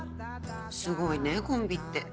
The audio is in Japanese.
すごいねコンビって。